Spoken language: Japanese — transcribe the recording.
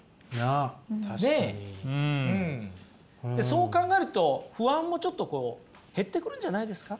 そう考えると不安もちょっと減ってくるんじゃないですか？